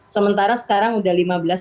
sementara sekarang sudah lima belas